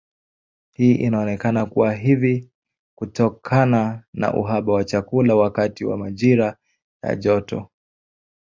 Hii inaonekana kuwa hivi kutokana na uhaba wa chakula wakati wa majira ya joto.